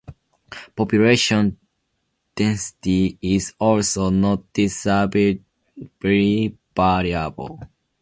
Population density is also noticeably variable.